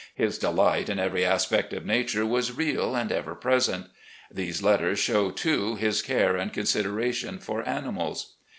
His delight in every aspect of Nature was real and ever present. These letters show, too, his care and consideration for animals.